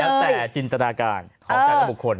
แล้วแต่จินจนาการเขากันกับบุคคล